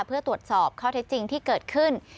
เพื่อตรวจสอบข้อเท็จจริงที่เกิดขึ้น